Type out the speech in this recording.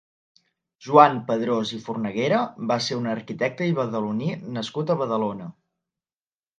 Joan Padrós i Fornaguera va ser un arquitecte i badaloní nascut a Badalona.